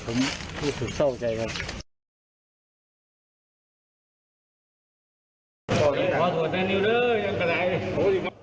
ผมรู้สึกเศร้าใจครับ